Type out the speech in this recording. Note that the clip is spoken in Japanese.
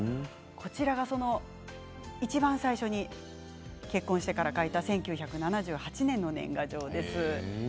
こちらがいちばん最初に結婚してから描いた１９７８年の年賀状です。